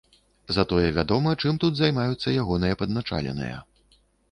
Затое вядома, чым тут займаюцца ягоныя падначаленыя.